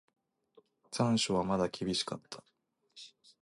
残暑はまだ厳しかった。